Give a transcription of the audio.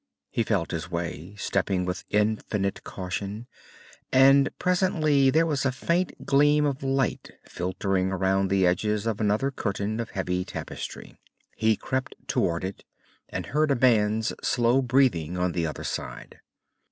He felt his way, stepping with infinite caution, and presently there was a faint gleam of light filtering around the edges of another curtain of heavy tapestry. He crept toward it, and heard a man's slow breathing on the other side.